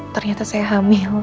ternyata saya hamil